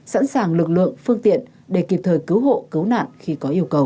sẵn sàng lực lượng phương tiện để kịp thời cứu hộ cứu nạn khi có yêu cầu